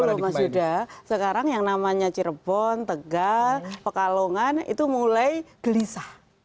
betul mas yuda sekarang yang namanya cirebon tegal pekalongan itu mulai gelisah